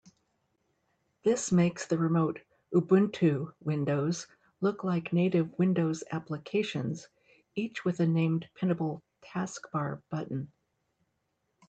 This makes the remote Ubuntu windows look like native Windows applications, each with a named pinnable taskbar button.